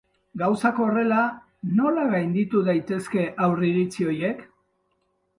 Gauzak horrela, nola gainditu daitezke aurreiritzi horiek?